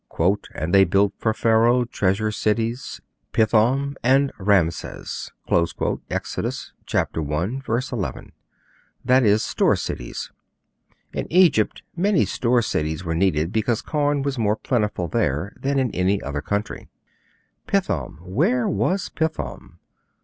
'And they built for Pharaoh treasure cities, Pithom and Raamses,' (Exodus i. 11) that is, store cities. In Egypt many store cities were needed because corn was more plentiful there than in any other country. 'Pithom where was Pithom?'